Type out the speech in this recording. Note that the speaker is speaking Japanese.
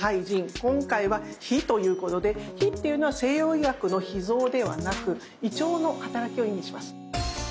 今回は「脾」ということで脾っていうのは西洋医学の脾臓ではなく胃腸のはたらきを意味します。